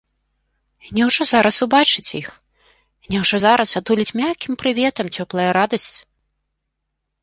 Няўжо зараз убачыць іх, няўжо зараз атуліць мяккім прыветам цёплая радасць?